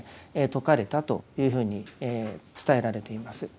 説かれたというふうに伝えられています。